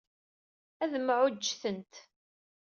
Ad mɛujjtent.